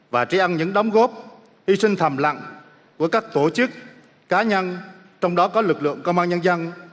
và trí ân những đóng góp hy sinh thầm lặng của các tổ chức cá nhân trong đó có lực lượng công an nhân dân